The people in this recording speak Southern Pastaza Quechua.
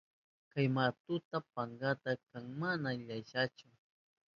Kay maytuka pankalla kan, mana llashanchu.